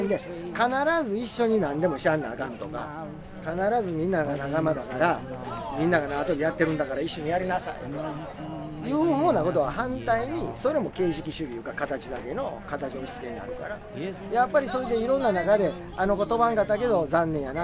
必ず一緒に何でもしないとあかんとか必ずみんなが仲間だからみんなが縄跳びやってるんだから一緒にやりなさいとかいうふうなことは反対にそれも形式主義いうか形だけの形の押しつけになるからやっぱりそれでいろんな中であの子跳ばんかったけど残念やな。